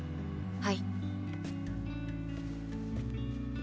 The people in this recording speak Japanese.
はい。